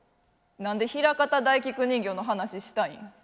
何でひらかた大菊人形の話したいん？